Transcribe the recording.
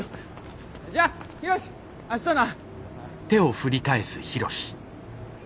じゃあヒロシ明日な！